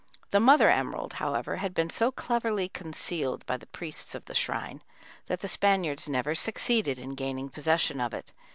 The mother emerald, however, had been so cleverly concealed by the priests of the shrine that the Spaniards never succeeded in gaining possession of it.